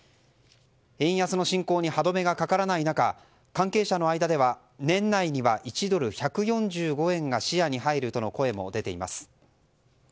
円安の進行に歯止めがかからない中関係者の間では年内には１ドル＝１４５円が視野に入るとの声も出ています。